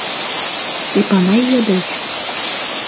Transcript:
— Эпанай йодеш.